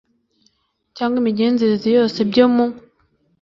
cyangwa imigenzereze yose byo mu